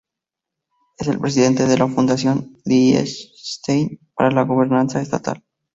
Es el Presidente de la Fundación Liechtenstein para la Gobernanza Estatal.